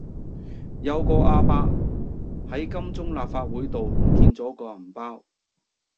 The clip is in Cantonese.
有個亞伯喺金鐘立法會道唔見左個銀包